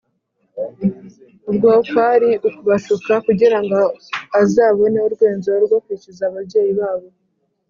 ubwo kwari ukubashuka kugira ngo azabone urwenzo rwo kwishyuza ababyeyi babo